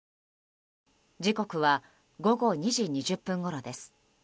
時刻は午後２時２０分ごろです。